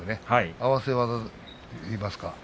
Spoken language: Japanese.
合わせ技と言いますか